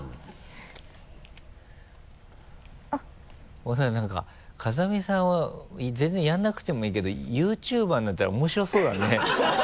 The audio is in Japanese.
ごめんなさい何か風見さんは全然やらなくてもいいけどＹｏｕＴｕｂｅｒになったら面白そうだね。